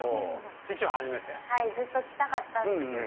ずっと来たかったんです。